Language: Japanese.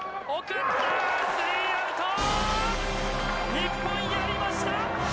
日本やりました！